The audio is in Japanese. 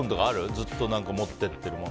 ずっと持ってるもの。